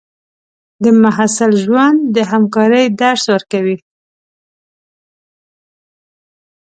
د محصل ژوند د همکارۍ درس ورکوي.